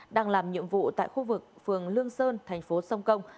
đang làm nhiệm vụ tại khu vực phường lương sơn tp sông công